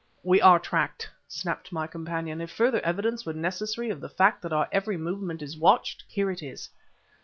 "We are tracked!" snapped my companion. "If further evidence were necessary of the fact that our every movement is watched, here it is!"